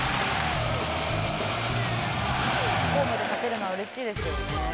「ホームで勝てるのは嬉しいですよね」